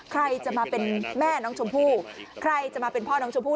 ใครจะมาเป็นแม่น้องชมพู่ใครจะมาเป็นพ่อน้องชมพู่